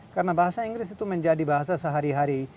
karena bahasa inggris itu menjadi bahasa sehari hari